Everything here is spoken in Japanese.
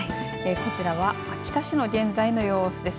こちらは秋田市の現在の様子です。